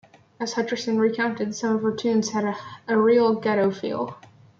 As Hutcherson recounted, "some of her tunes had a real ghetto feel".